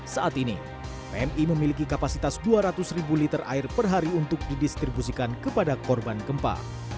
saat ini pmi memiliki kapasitas dua ratus ribu liter air per hari untuk didistribusikan kepada korban gempa